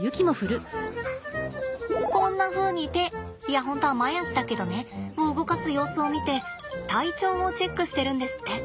こんなふうに手いや本当は前足だけどねを動かす様子を見て体調をチェックしてるんですって。